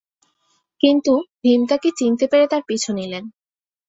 কিন্তু, ভীম তাকে চিনতে পেরে তার পিছু নিলেন।